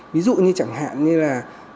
ví dụ như chẳng hạn như là